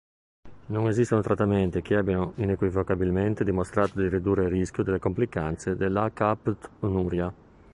Non esistono trattamenti che abbiano inequivocabilmente dimostrato di ridurre il rischio delle complicanze dell'alcaptonuria.